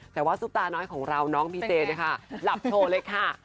แต่ว่าซุปตาน้อยของเราน้องพีเจนะคะหลับโชว์เลยค่ะ